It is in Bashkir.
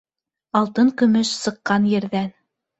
Алтын-көмөш сыҡҡан ерҙән